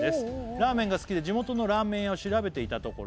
「ラーメンが好きで地元のラーメン屋を調べていたところ」